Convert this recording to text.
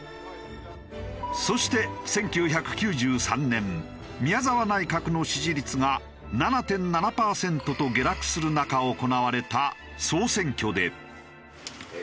そして１９９３年宮澤内閣の支持率が７．７パーセントと下落する中行われた総選挙で。